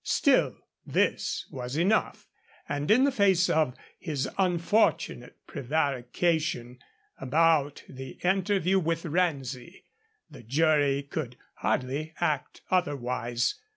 Still this was enough; and in the face of his unfortunate prevarication about the interview with Renzi, the jury could hardly act otherwise.